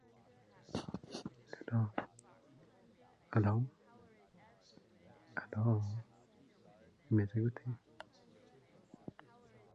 From these names, electors cast ballots to narrow the nominees to five finalists.